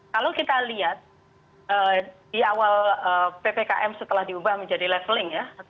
kalau kita lihat di awal ppkm setelah diubah menjadi leveling ya